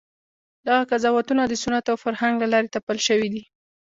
دغه قضاوتونه د سنت او فرهنګ له لارې تپل شوي دي.